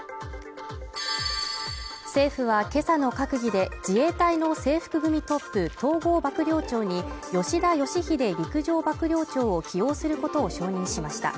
政府は今朝の閣議で、自衛隊の制服組トップ統合幕僚長に吉田圭秀陸上幕僚長を起用することを承認しました。